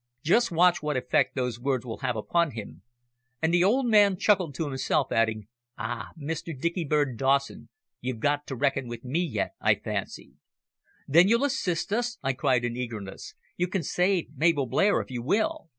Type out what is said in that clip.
Just watch what effect those words will have upon him," and the old man chuckled to himself, adding, "Ah! Mr. Dicky bird Dawson, you've got to reckon with me yet, I fancy." "Then you'll assist us?" I cried in eagerness. "You can save Mabel Blair if you will?"